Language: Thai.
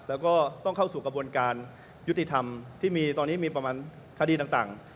แล้วก็ต้องเข้าสู่กระบวนการยุติธรรมที่มีตอนนี้มีประมาณคดีต่าง